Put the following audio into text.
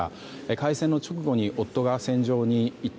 開戦の直後に夫が戦場に行った。